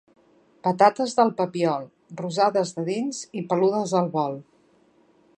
Patates del Papiol: rosades de dins i peludes al volt.